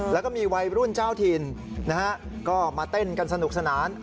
แล้วก็มีวัยรุ่นเจ้าถิ่นนะฮะก็มาเต้นกันสนุกสนาน